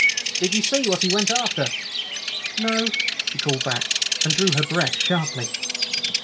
"Did you see what he went after?" "No," she called back, and drew her breath sharply.